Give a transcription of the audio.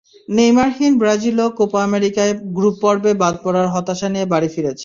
নেইমারহীন ব্রাজিলও কোপা আমেরিকায় গ্রুপপর্বে বাদ পড়ার হতাশা নিয়ে বাড়ি ফিরেছে।